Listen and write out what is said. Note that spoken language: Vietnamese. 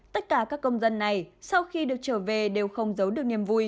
tất cả các công dân này sau khi được trở về đều không giấu được niềm vui